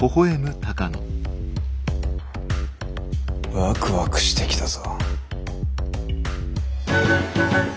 ワクワクしてきたぞ。